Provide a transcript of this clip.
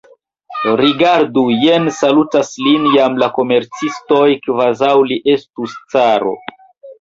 Rigardu, jen salutas lin jam la komercistoj, kvazaŭ li estus caro.